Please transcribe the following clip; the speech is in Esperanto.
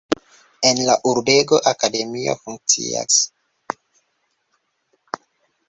En la urbego akademio funkcias.